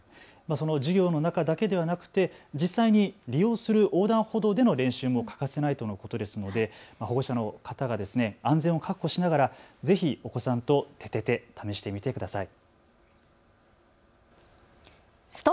授業の中だけではなくて実際に利用する横断歩道での練習も欠かせないとのことですので保護者の方が安全を確保しながらぜひお子さんと試してみてください。